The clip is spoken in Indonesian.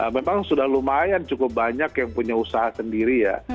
memang sudah lumayan cukup banyak yang punya usaha sendiri ya